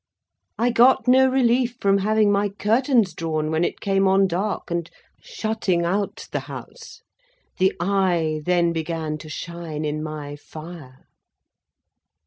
I got no relief from having my curtains drawn when it came on dark, and shutting out the House. The Eye then began to shine in my fire.